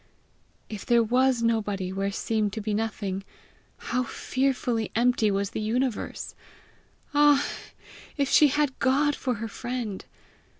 If there was nobody where seemed to be nothing, how fearfully empty was the universe! Ah, if she had God for her friend!